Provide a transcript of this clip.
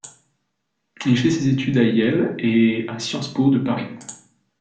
Il fait ses études à Yale et à Sciences Po de Paris.